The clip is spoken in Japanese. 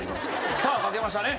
さあ書けましたね？